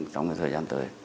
trong thời gian tới